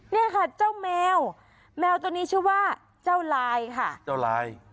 เนี่ยค่ะเจ้าแมวแมวตัวนี้ชื่อว่าเจ้าลายค่ะเจ้าลาย